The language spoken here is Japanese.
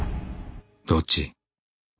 どっち？